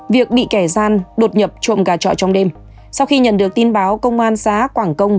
việc bị kẻ gian đột nhập trộm gà trọi trong đêm sau khi nhận được tin báo công an xã quảng công